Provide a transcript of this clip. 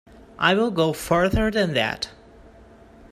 I'll go further than that.